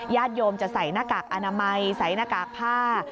โยมจะใส่หน้ากากอนามัยใส่หน้ากากผ้า